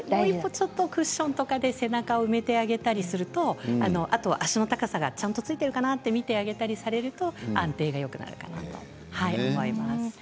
クッションとかで背中を埋めてあげたりするとあとは足の高さちゃんとつけているのか見てあげると安定がよくなるかなと思います。